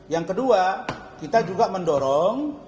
yang kedua kita juga mendorong